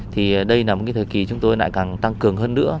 thì đây là một cái thời kỳ chúng tôi lại càng tăng cường hơn nữa